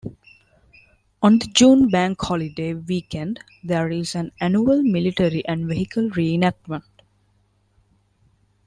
On the June Bank Holiday week-end there is an annual Military and Vehicle Re-Enactment.